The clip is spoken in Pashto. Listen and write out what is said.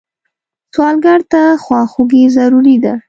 سوالګر ته خواخوږي ضروري ده